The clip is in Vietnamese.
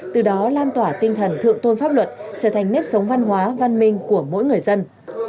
từ đó lan tỏa tinh thần thượng tôn pháp luật trở thành nếp sống văn hóa văn minh của mỗi người dân